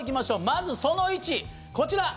まずその１、こちら。